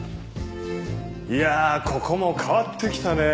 いやここも変わってきたね。